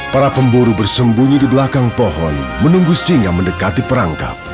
para pemburu bersembunyi di belakang pohon menunggu singa mendekati perangkap